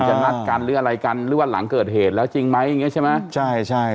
จะนัดกันหรืออะไรกันหรือว่าหลังเกิดเหตุแล้วจริงไหมใช่ไหม